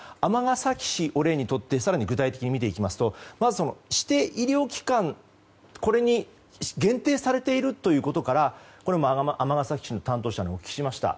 尼崎市を例にとって更に具体的に見ていきますとまず指定医療機関に限定されているということから尼崎市の担当者にお聞きしました。